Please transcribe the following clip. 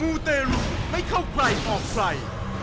มูเตรุไม่เข้าใกล้ออกไฟ